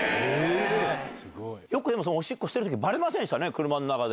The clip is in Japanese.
よく、でもおしっこしてるときもばれませんでしたね、車の中で。